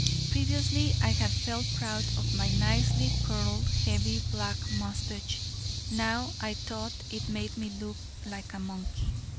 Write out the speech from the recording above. Previously, I had felt proud of my nicely curled heavy black mustache, now I thought it made me look like a monkey.